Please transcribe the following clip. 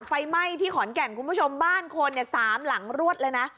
ไฟไหม้ที่ขอนแก่นคุณผู้ชมบ้านคนเนี่ย๓หลังรวดเลยนะ